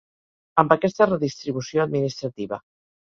Amb aquesta redistribució administrativa.